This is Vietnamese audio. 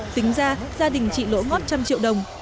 tính ra gia đình chị lỗ ngót một trăm linh triệu đồng